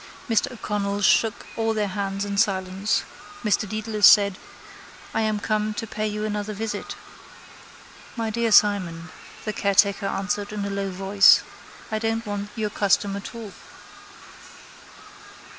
Mr O'Connell shook all their hands in silence. Mr Dedalus said: —I am come to pay you another visit. —My dear Simon, the caretaker answered in a low voice. I don't want your custom at all.